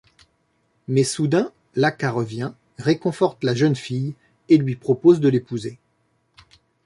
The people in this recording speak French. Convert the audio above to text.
Mais soudain, Laca revient, réconforte la jeune fille et lui propose de l'épouser.